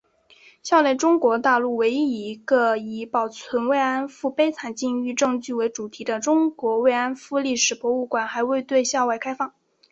校内中国大陆唯一一个以保存“慰安妇”悲惨境遇证据为主题的中国“慰安妇”历史博物馆还未对校外开放。